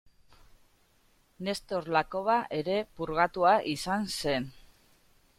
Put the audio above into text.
Nestor Lakoba ere purgatua izan zen.